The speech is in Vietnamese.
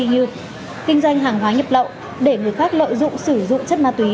như kinh doanh hàng hóa nhập lậu để người khác lợi dụng sử dụng chất ma túy